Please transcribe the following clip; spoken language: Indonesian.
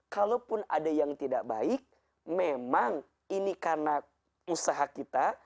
kalaupun ada yang tidak baik memang ini karena usaha kita